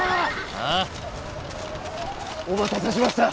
あ？お待たせしました。